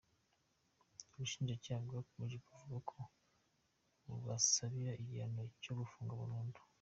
Ubushinjacyaha bwakomeje buvuga ko bubasabiye igihano cyo gufungwa burundu.